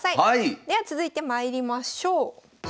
では続いてまいりましょう。